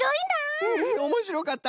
うんうんおもしろかった！